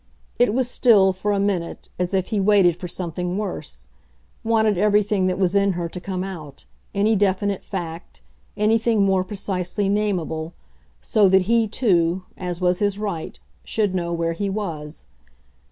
It was still, for a minute, as if he waited for something worse; wanted everything that was in her to come out, any definite fact, anything more precisely nameable, so that he too as was his right should know where he was.